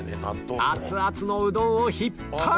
熱々のうどんを引っ張り